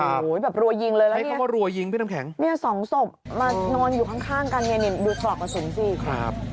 โอ้โฮแบบรัวยิงเลยแล้วเนี่ยสองศพมานอนอยู่ข้างกับเมียนินดูปลอกกระสุนสิครับ